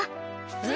え⁉